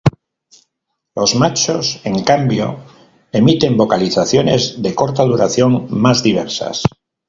Los machos en cambio, emiten vocalizaciones de corta duración más diversas.